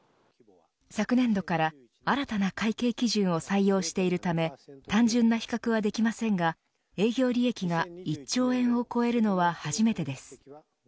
昨年度から新たな会計基準を採用しているため単純な比較はできませんが営業利益が１兆円を超えるのは初めてです。